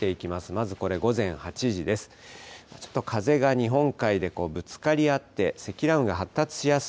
まずこれ午前８時です。